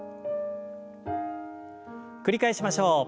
繰り返しましょう。